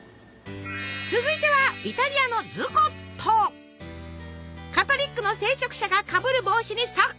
続いてはイタリアのカトリックの聖職者がかぶる帽子にそっくり！